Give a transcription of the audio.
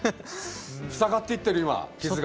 塞がっていってる今傷が。